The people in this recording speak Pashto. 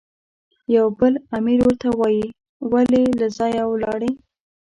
یو بل امیر ورته وایي، ولې له ځایه ولاړې؟